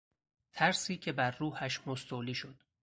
ترسی که بر روحش مستولی شد